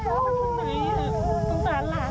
พ่อขอโทษ